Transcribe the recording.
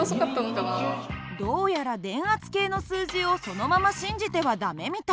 どうやら電圧計の数字をそのまま信じては駄目みたい。